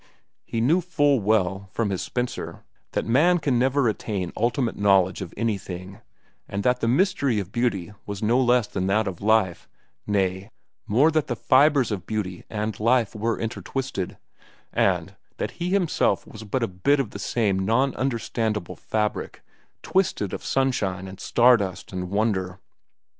He knew full well, from his Spencer, that man can never attain ultimate knowledge of anything, and that the mystery of beauty was no less than that of life—nay, more—that the fibres of beauty and life were intertwisted, and that he himself was but a bit of the same nonunderstandable fabric, twisted of sunshine and star dust and wonder.